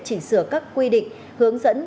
chỉnh sửa các quy định hướng dẫn